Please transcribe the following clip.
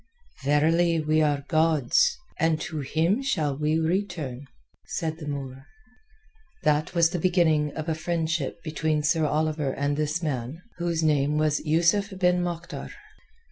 "Verily we are God's, and to Him shall we return," said the Moor. That was the beginning of a friendship between Sir Oliver and this man, whose name was Yusuf ben Moktar.